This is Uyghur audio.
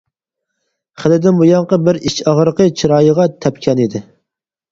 خېلىدىن بۇيانقى بىر ئىچ ئاغرىقى چىرايىغا تەپكەنتى.